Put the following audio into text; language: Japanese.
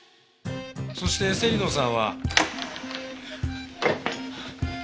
そして芹野さんは。